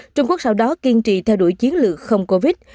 trung quốc sau đó kiên trì theo đuổi chiến lược không covid